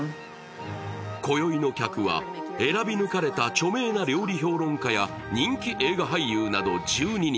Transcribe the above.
今宵の客は選び抜かれた著名な料理評論家や人気映画俳優など１２人。